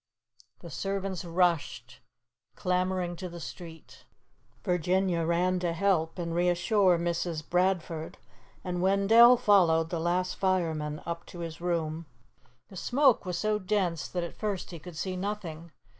The servants rushed clamoring to the street. Virginia ran to help and reassure Mrs. Bradford, and Wendell followed the last fireman up to his room. The smoke was so dense that at first he could see nothing.